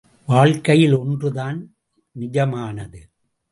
வாழ்க்கையில் ஒன்று தான் நிஜமானது.